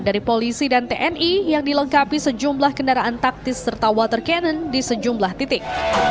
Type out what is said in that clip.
dari polisi dan tni yang dilengkapi sejumlah kendaraan taktis serta water cannon di sejumlah titik